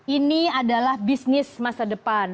ini adalah bisnis masa depan